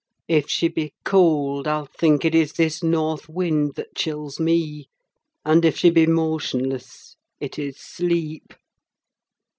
If she be cold, I'll think it is this north wind that chills me; and if she be motionless, it is sleep.